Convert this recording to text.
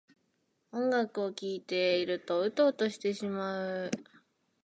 音楽を聴いているとウトウトしてしまう